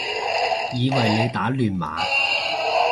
以為你打亂碼